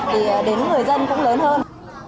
thì đến người dân cũng lớn hơn